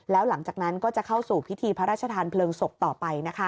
แล้วหลังจากนั้นก็จะเข้าสู่พิธีพระราชทานเพลิงศพต่อไปนะคะ